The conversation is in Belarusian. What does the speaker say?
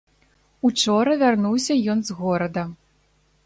Учора вярнуўся ён з горада.